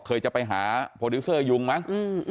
จะไปหาโปรดิวเซอร์ยุงมั้ง